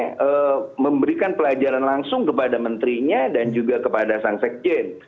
saya memberikan pelajaran langsung kepada menterinya dan juga kepada sang sekjen